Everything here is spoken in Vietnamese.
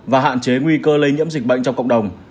và hạn chế nguy cơ lây nhiễm dịch bệnh trong cộng đồng